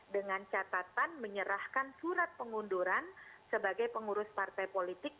dengan catatan menyerahkan surat pengunduran sebagai pengurus partai politik